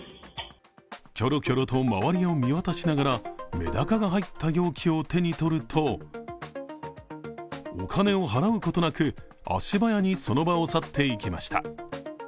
キョロキョロと周りを見渡しながらめだかが入った容器を手に取るとお金を払うことなく足早にその場を去っていきました。